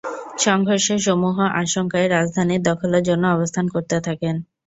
সংঘর্ষের সমূহ আশঙ্কায় রাজধানী দখলের জন্য অবস্থান করতে থাকেন।